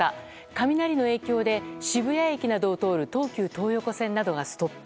雷の影響で渋谷駅などを通る東急東横線などがストップ。